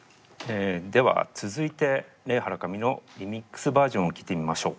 では続いてレイ・ハラカミのリミックスバージョンを聴いてみましょう。